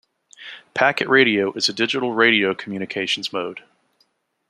Packet radio is a digital radio communications mode.